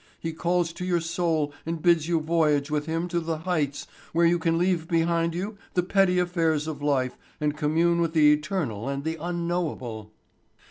He calls to your soul and bids you voyage with him to the heights where you can leave behind you the petty affairs of life and commune with the eternal and the unknowable."